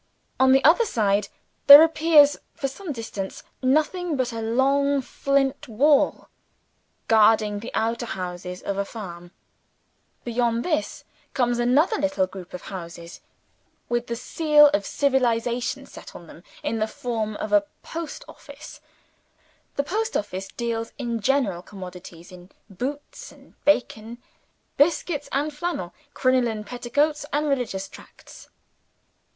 On the other side there appears, for some distance, nothing but a long flint wall guarding the outhouses of a farm. Beyond this, comes another little group of cottages, with the seal of civilization set on them, in the form of a post office. The post office deals in general commodities in boots and bacon, biscuits and flannel, crinoline petticoats and religious tracts.